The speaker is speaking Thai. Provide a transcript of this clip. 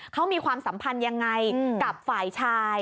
เขามีความสัมพันธ์ยังไงกับฝ่ายชาย